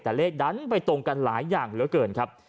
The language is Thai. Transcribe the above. แต่เลขดันไปตรงกันหลายอย่างเหลือเกินครับ